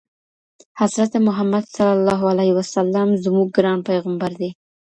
حضرتِ مُحَمَّد ﷺ زموږ ګران پيغمبر دئ